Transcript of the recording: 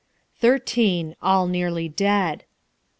Thirteen; all nearly dead.